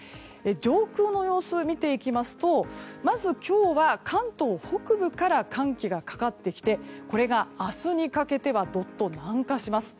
上空の様子を見ていきますとまず、今日は関東北部から寒気がかかってきてこれが、明日にかけてはどっと南下します。